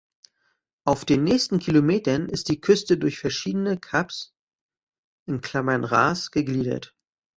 Auf den nächsten Kilometern ist die Küste durch verschiedene Kaps (Ras) gegliedert.